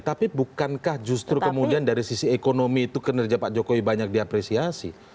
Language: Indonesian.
tapi bukankah justru kemudian dari sisi ekonomi itu kinerja pak jokowi banyak diapresiasi